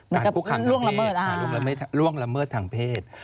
การพูดคำทางเพศ